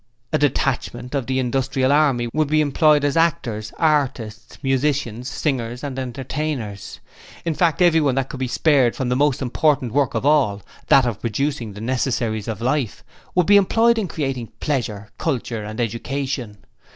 A detachment of the Industrial Army would be employed as actors, artistes, musicians, singers and entertainers. In fact everyone that could be spared from the most important work of all that of producing the necessaries of life would be employed in creating pleasure, culture, and education.